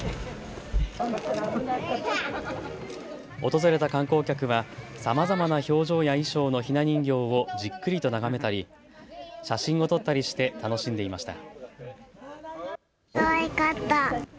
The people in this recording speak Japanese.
訪れた観光客はさまざまな表情や衣装のひな人形をじっくりと眺めたり写真を撮ったりして楽しんでいました。